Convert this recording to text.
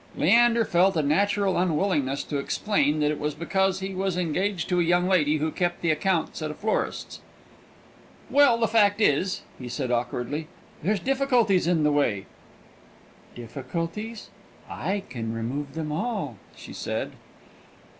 Leander felt a natural unwillingness to explain that it was because he was engaged to a young lady who kept the accounts at a florist's. "Well, the fact is," he said awkwardly, "there's difficulties in the way." "Difficulties? I can remove them all!" she said.